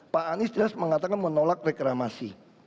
pak anies jelas mengatakan menolak reklamasi